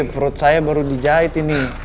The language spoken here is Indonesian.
perut saya baru dijahit ini